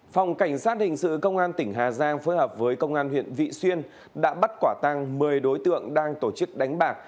phòng cảnh sát hình sự công an tỉnh hà giang phối hợp với công an huyện vị xuyên đã bắt quả tăng một mươi đối tượng đang tổ chức đánh bạc